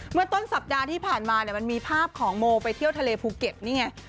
เมื่อต้นสัปดาห์ที่ผ่านมาเนี่ยมันมีภาพของโมไปเที่ยวทะเลภูเก็ตนี่ไง